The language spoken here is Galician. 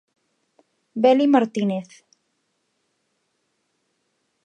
Beli Martínez.